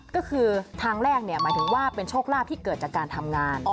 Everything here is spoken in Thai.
ก็คือทางแรกหมายถึงว่าเป็นโชคลาภที่เกิดจากการทำงาน